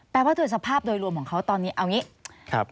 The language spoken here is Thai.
แปลว่าด้วยสภาพโดยรวมของเขาตอนนี้เอาจริงไหม